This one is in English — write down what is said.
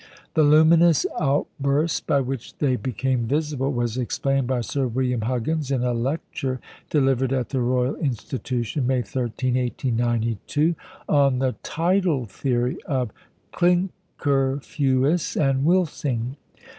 The luminous outburst by which they became visible was explained by Sir William Huggins, in a lecture delivered at the Royal Institution, May 13, 1892, on the tidal theory of Klinkerfues and Wilsing.